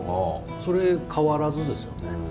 それ変わらずですね。